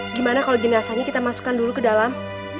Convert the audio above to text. gimana kalau jenazahnya kita masukkan dulu ke dalam